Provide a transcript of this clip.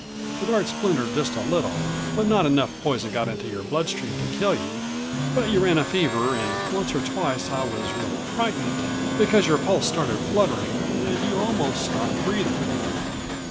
The dart splintered just a little, but not enough poison got into your bloodstream to kill you. But you ran a fever and once or twice I was really frightened, because your pulse started fluttering and you almost stopped breathing."